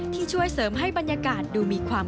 ช่วยเสริมให้บรรยากาศดูมีความ